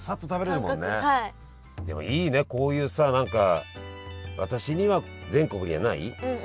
でもいいねこういうさ何か私には全国にはないねえ